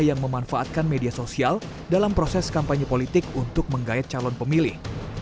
yang memanfaatkan media sosial dalam proses kampanye politik untuk menggayat calon pemilih